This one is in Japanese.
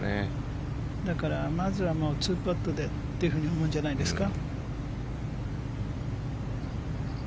だから、まずは２パットでって思うんじゃないですか？